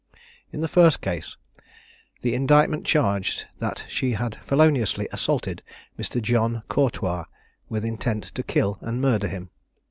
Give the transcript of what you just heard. In the first case, the indictment charged that she had feloniously assaulted Mr. John Cortois, with intent to kill and murder him.